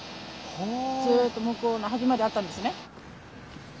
ずっと向こうの端まであったんですね。